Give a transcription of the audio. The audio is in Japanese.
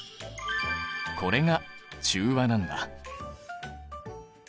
これが中和なんだ。